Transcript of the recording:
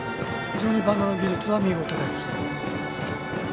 非常にバントの技術は見事です。